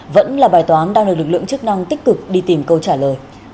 vẫn là bài toán đang được lực lượng chức năng tích cực đi tìm câu trả lời